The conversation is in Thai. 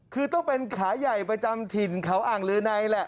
คือต้องเป็นขาใหญ่ประจำถิ่นเขาอ่างลือในแหละ